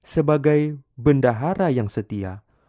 sebagai bendahara yang setia